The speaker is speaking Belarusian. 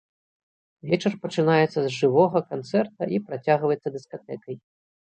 Вечар пачынаецца з жывога канцэрта і працягваецца дыскатэкай.